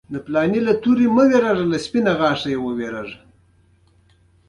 د افغانستان جلکو د افغانستان په ستراتیژیک اهمیت کې رول لري.